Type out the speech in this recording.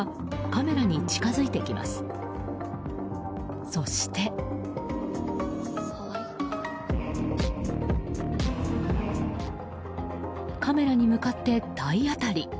カメラに向かって体当たり。